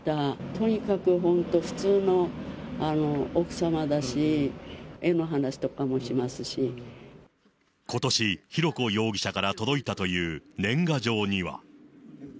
とにかく本当、普通の奥様だし、ことし、浩子容疑者から届いたという年賀状には。